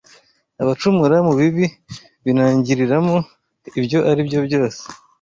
abacumura mu bibi binangiriramo ibyo ari byo byose